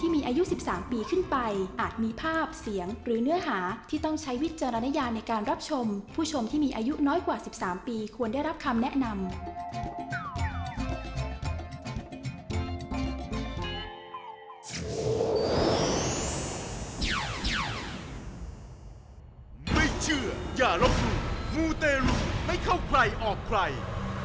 ไม่เชื่ออย่าลบหลู่มูเตรุไม่เข้าใครออกใคร